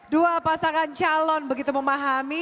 dua pasangan calon begitu memahami